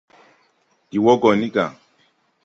Ndi wɔ gɔ ni ga.